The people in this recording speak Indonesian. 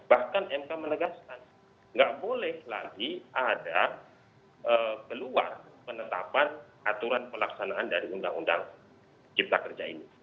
bahkan mk menegaskan nggak boleh lagi ada keluar penetapan aturan pelaksanaan dari undang undang cipta kerja ini